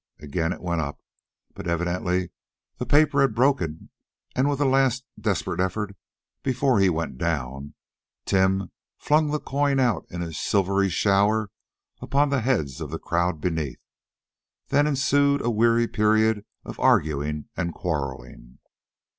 Again it went up. But evidently the paper had broken, and with a last desperate effort, before he went down, Tim flung the coin out in a silvery shower upon the heads of the crowd beneath. Then ensued a weary period of arguing and quarreling.